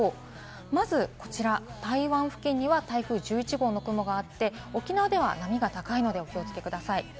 まず台湾付近には台風１１号の雲があって、沖縄では波が高いのでお気をつけください。